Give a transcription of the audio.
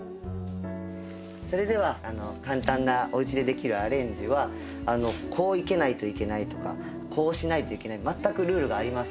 それでは簡単なおうちでできるアレンジはこう生けないといけないとかこうしないといけない全くルールがありません。